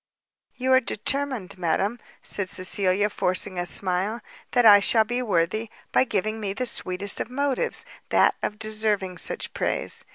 "You are determined, madam," said Cecilia, forcing a smile, "that I shall be worthy, by giving me the sweetest of motives, that of deserving such praise."